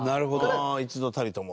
山崎：一度たりとも。